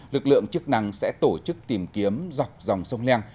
lực lượng chức năng sẽ tổ chức tìm kiếm dọc dòng sông leng